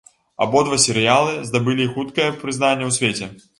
Абодва серыялы здабылі хутка прызнанне ў свеце.